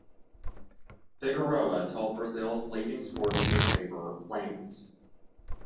Figueroa told Brazil's leading sports newspaper, Lance!